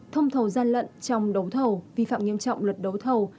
thông thầu gian lận trong đấu thầu vi phạm nghiêm trọng luật đấu thầu